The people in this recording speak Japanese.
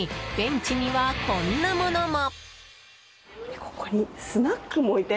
更に、ベンチにはこんなものも。